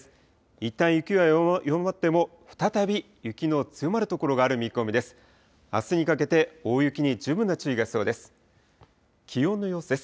いったん雪は弱まっても、再び雪の強まる所がある見込みです。